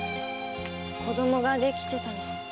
子供ができてたの。